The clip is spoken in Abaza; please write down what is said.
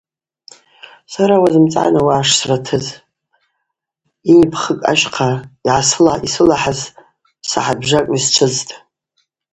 Сара уазымцӏгӏан ауаъа сшратыз – йынипхынкӏ ащхъа йсылахӏаз сахӏатбжакӏла йсчвыдзтӏ.